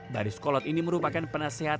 baris kolot ini merupakan penasehat